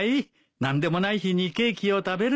何でもない日にケーキを食べるのも。